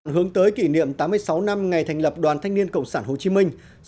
hướng tới kỷ niệm tám mươi sáu năm ngày thành lập đoàn thanh niên cộng sản hồ chí minh